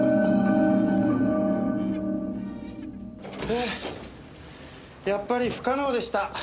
はぁやっぱり不可能でした。